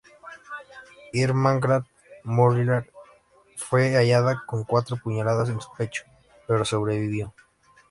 Irmgard Möller fue hallada con cuatro puñaladas en su pecho, pero sobrevivió.